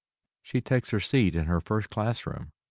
She takes her seat in her first classroom.